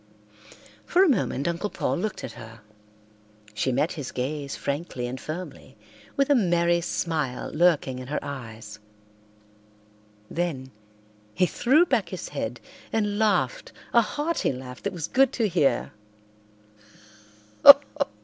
For a moment Uncle Paul looked at her. She met his gaze frankly and firmly, with a merry smile lurking in her eyes. Then he threw back his head and laughed a hearty laugh that was good to hear.